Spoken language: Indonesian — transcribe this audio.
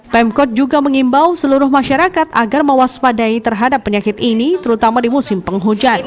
pemkot juga mengimbau seluruh masyarakat agar mewaspadai terhadap penyakit ini terutama di musim penghujan